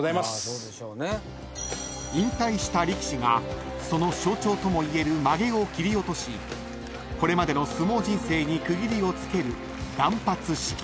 ［引退した力士がその象徴ともいえるまげを切り落としこれまでの相撲人生に区切りをつける］